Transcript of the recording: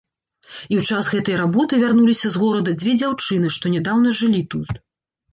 І ў час гэтай работы вярнуліся з горада дзве дзяўчыны, што нядаўна жылі тут.